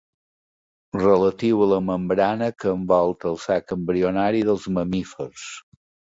Relatiu a la membrana que envolta el sac embrionari dels mamífers.